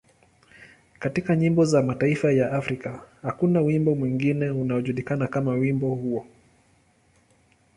Katika nyimbo za mataifa ya Afrika, hakuna wimbo mwingine unaojulikana kama wimbo huo.